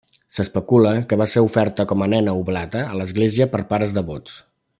S'especula que va ser oferta com a nena oblata a l'Església per pares devots.